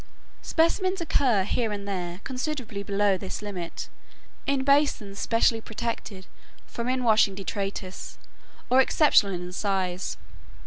Specimens occur here and there considerably below this limit, in basins specially protected from inwashing detritus, or exceptional in size.